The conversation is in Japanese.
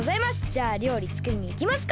じゃありょうりつくりにいきますか！